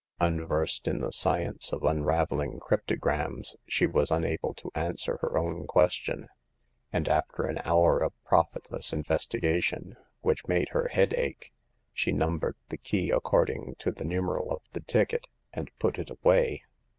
Unversed in the science of unraveling crypto grams, she was unable to answer her own ques tion ; and after an hour of profitless investiga tion, which made her head ache, she numbered the key according to the numeral of the ticket, and put it away.